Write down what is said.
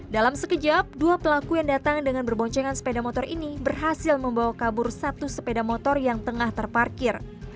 dalam sekejap dua pelaku yang datang dengan berboncengan sepeda motor ini berhasil membawa kabur satu sepeda motor yang tengah terparkir